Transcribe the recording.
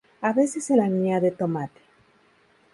A veces se le añade tomate.